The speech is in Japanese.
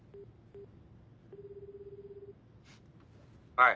はい。